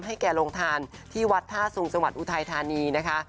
ให้แก่ลงทานที่วัดธาตุสรุงสมรรถอุทัยธานีนะคะ